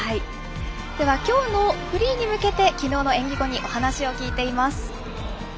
きょうのフリーに向けてきのうの演技後にお話を聞いています。